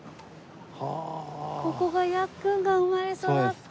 ここがヤッくんが生まれ育った。